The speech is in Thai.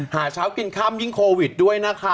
หาเช้ากินค่ำยิ่งโควิดด้วยนะคะ